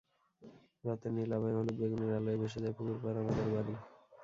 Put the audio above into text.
রাতের নীল আভায় হলুদ-বেগুনির আলোয় ভেসে যায় পুকুর পাড়, আমাদের বাড়ি।